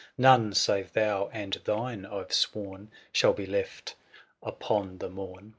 " None, save thou and thine, Fve sworn 640 " Shall be left upon the morn